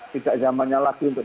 tidak zamannya lagi untuk